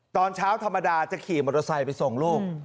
ตอนเช้าธรรมดาจะขี่มอเตอร์ไซค์ไปส่งลูก